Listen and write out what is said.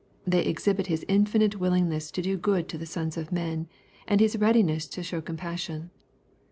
They exhibit His infinite willingness to do good to the sons of men, and His readiness to show compassion.